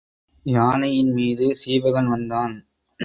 யானையின் மீது சீவகன் வந்தான்.